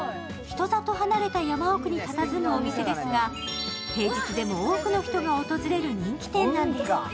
人里離れた山奥にたたずむお店ですが、平日でも多くの人が訪れる人気店なんです。